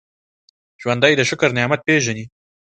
ژوندي د شکر نعمت پېژني